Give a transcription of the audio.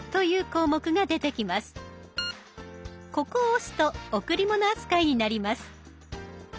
ここを押すと贈り物扱いになります。